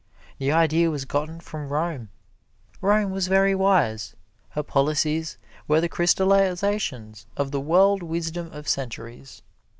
The idea was gotten from Rome. Rome was very wise her policies were the crystallizations of the world wisdom of centuries.